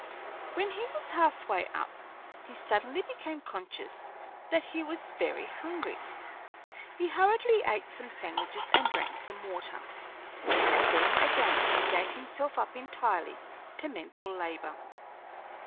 When he was half way up, he suddenly became conscious that he was very hungry. He hurriedly ate some sandwiches and drank some water, and then, again, he gave himself up entirely to mental labor.